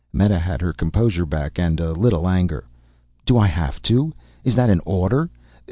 Meta had her composure back. And a little anger. "Do I have to? Is that an order?